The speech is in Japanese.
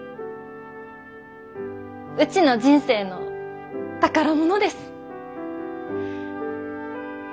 うちの人生の宝物です。